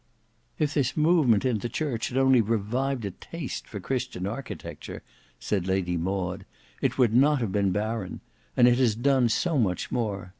"If this movement in the church had only revived a taste for Christian architecture," said Lady Maud, "it would not have been barren, and it has done so much more!